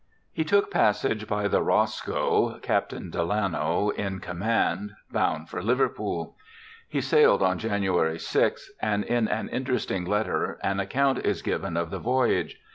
He took passage by the Roscoe, Capt. Delano in command, bound for Liverpool. He sailed on Jan. 6, and in an interesting letter an account is given of the voyage.